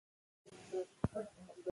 دولت د خلکو احساس درک کړي.